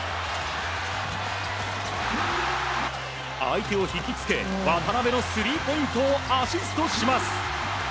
相手を引き付け渡邊のスリーポイントをアシストします。